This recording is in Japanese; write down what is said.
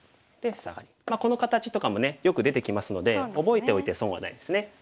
この形とかもねよく出てきますので覚えておいて損はないですね。